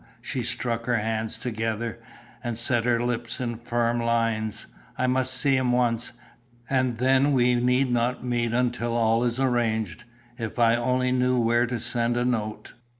She struck her hands together, and set her lips in firm lines. "I must see him once, and then we need not meet until all is arranged. If I only knew where to send a note."